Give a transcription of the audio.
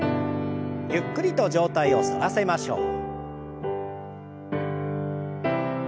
ゆっくりと上体を反らせましょう。